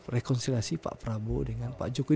rekonsiliasi pak prabowo dengan pak jokowi